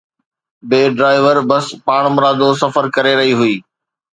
بي driver bus پاڻمرادو سفر ڪري رهي هئي